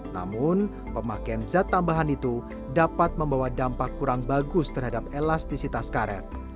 namun pemakaian zat tambahan itu dapat membawa dampak kurang bagus terhadap elastisitas karet